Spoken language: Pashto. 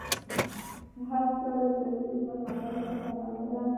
چې هر څه لیکل سوي بس همدغه سفرنامه ده.